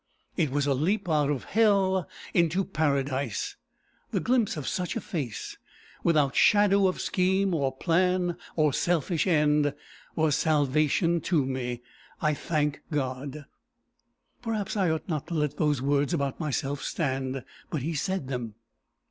It was a leap out of hell into paradise. The glimpse of such a face, without shadow of scheme or plan or selfish end, was salvation to me. I thank God!" Perhaps I ought not to let those words about myself stand, but he said them.